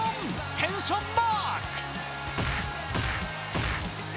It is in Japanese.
テンションマックス。